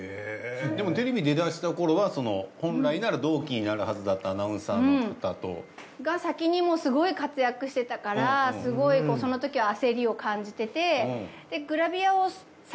でもテレビ出だした頃はその本来なら同期になるはずだったアナウンサーの方と。が先にもうすごい活躍してたからすごいそのときは焦りを感じてて。